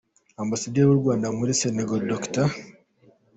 Ambasaderi w’u Rwanda muri Sénégal, Dr.